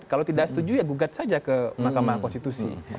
kalau tidak setuju ya gugat saja ke mahkamah konstitusi